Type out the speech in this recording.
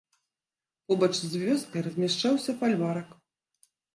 Побач з вёскай размяшчаўся фальварак.